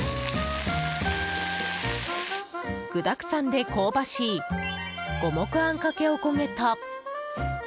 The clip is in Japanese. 具だくさんで香ばしい五目あんかけおこげと。